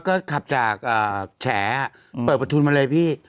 ก็ขับจากแฉเปิดประทุนมาเลยพี่